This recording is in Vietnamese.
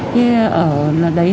khi ở đấy